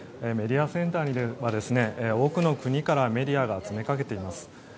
メディアセンターでは多くの国からメディアが詰めかけています。